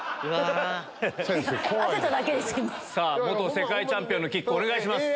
世界チャンピオンのキックお願いします。